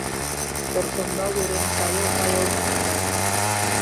Кортомбал урем тайыл-тайыл маныда